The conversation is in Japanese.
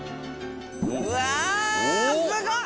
うわすごい。